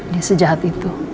dia sejahat itu